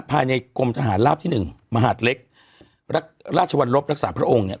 ภายในกรมทหารลาบที่หนึ่งมหาดเล็กรักษาพระองค์เนี้ย